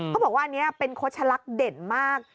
เขาบอกว่าอันนี้เป็นโฆษลักษณ์เด่นมาก